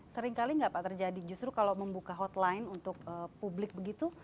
seringkali nggak pak terjadi justru kalau membuka hotline untuk publik begitu